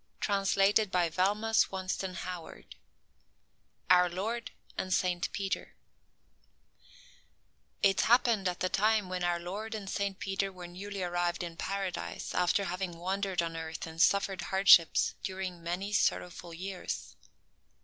[Illustration: Our Lord and Saint Peter] OUR LORD AND SAINT PETER It happened at the time when our Lord and Saint Peter were newly arrived in Paradise, after having wandered on earth and suffered hardships during many sorrowful years.